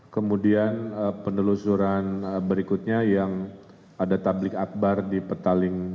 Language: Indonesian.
kemudian penelusuran berikutnya yang ada tablik akbar di petaling